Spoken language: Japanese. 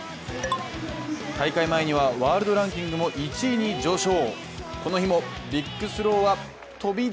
大会前にワールドランキングも１位に上昇。